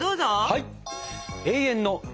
はい！